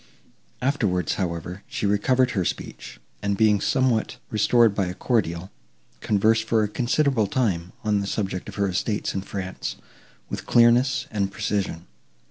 Afterwards, however, she recovered her speech, and, being somewhat restored by a cordial, conversed for a considerable time, on the subject of her estates in France, with clearness and precision.